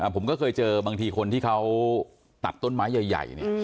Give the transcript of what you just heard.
ผมก็เคยเจอบางทีคนที่เขาตัดต้นไม้ใหญ่เนี่ย